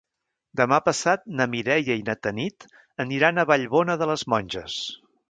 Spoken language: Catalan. Demà passat na Mireia i na Tanit aniran a Vallbona de les Monges.